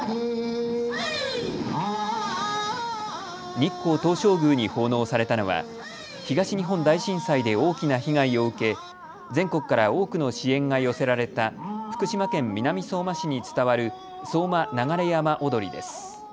日光東照宮に奉納されたのは東日本大震災で大きな被害を受け全国から多くの支援が寄せられた福島県南相馬市に伝わる相馬流山踊りです。